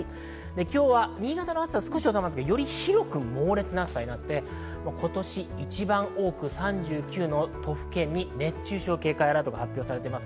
今日は新潟の暑さは収まるんですが、より広く猛烈な暑さになって今年一番多く３９の都府県に熱中症警戒アラートが発表されてます。